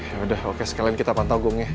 yaudah oke sekalian kita pantau gongnya